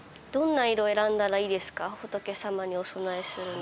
仏様にお供えするのに。